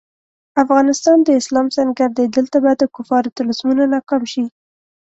افغانستان د اسلام سنګر دی، دلته به د کفارو طلسمونه ناکام شي.